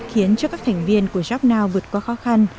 khiến cho các thành viên của jobnow vượt qua khó khăn